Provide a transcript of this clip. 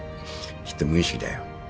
きっと無意識だよ。